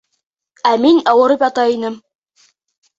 Ә мин ауырып ята инем.